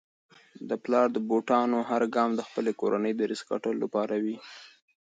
د پلار د بوټانو هر ګام د خپلې کورنی د رزق ګټلو لپاره وي.